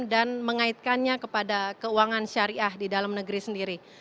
dan mengaitkannya kepada keuangan syariah di dalam negeri sendiri